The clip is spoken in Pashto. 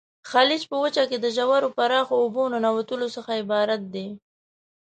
خلیج په وچه کې د ژورو پراخو اوبو ننوتلو څخه عبارت دی.